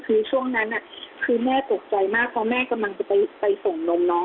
คือช่วงนั้นคือแม่ตกใจมากเพราะแม่กำลังจะไปส่งนมน้อง